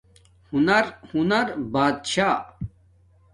ہنر، ہنر بات شاہ